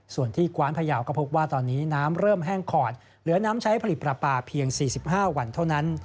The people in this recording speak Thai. ส่วนที่กว้านพยาวก็พบว่าตอนนี้น้ำเริ่มแห้งขอดเหลือน้ำใช้ผลิตปลาปลาเพียง๔๕วันเท่านั้น